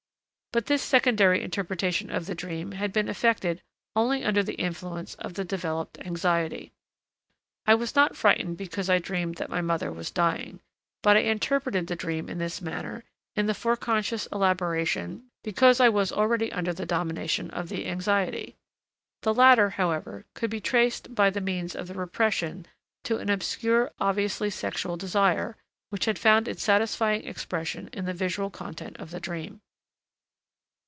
But this secondary interpretation of the dream had been effected only under the influence of the developed anxiety. I was not frightened because I dreamed that my mother was dying, but I interpreted the dream in this manner in the foreconscious elaboration because I was already under the domination of the anxiety. The latter, however, could be traced by means of the repression to an obscure obviously sexual desire, which had found its satisfying expression in the visual content of the dream.